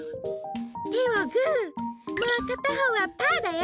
てをグーもうかたほうはパーだよ。